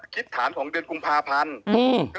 คิดสารของเดือนกุงพรพันธุ์